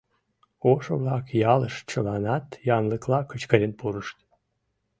Ошо-влак ялыш чыланат янлыкла кычкырен пурышт.